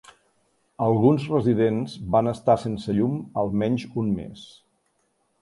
Alguns residents van estar sense llum almenys un mes.